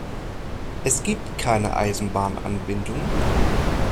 Es gibt keine Eisenbahnanbindung.